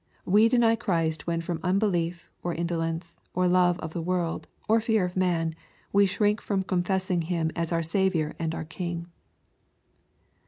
We deny Christ when from unbelief, or indolence, or love of the world, or fear of man, we shrink from confessing Him as our Saviour and our King.